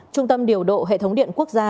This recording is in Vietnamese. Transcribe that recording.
trung tâm điều độ hệ thống điện quốc gia